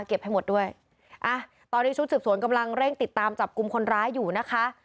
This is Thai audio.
ให้หมดด้วยอ่ะตอนนี้ชุดสืบสวนกำลังเร่งติดตามจับกลุ่มคนร้ายอยู่นะคะ